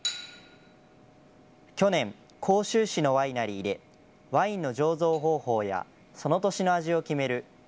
去年、甲州市のワイナリーでワインの醸造方法やその年の味を決める